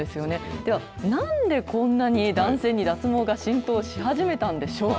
では、なんでこんなに男性に脱毛が浸透し始めたんでしょうか。